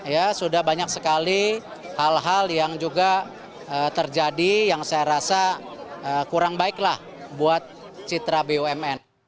ya sudah banyak sekali hal hal yang juga terjadi yang saya rasa kurang baiklah buat citra bumn